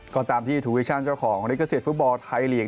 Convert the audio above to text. ก็ตามที่ธุรกิจชาติเจ้าของลิเกษียศฟุตบอลไทยเหลียง